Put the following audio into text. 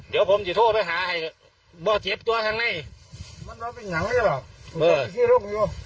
ดีใจนปลอดภัย